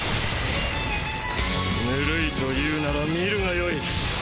ぬるいと言うなら見るがよい。